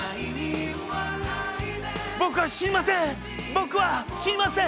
僕は死にません！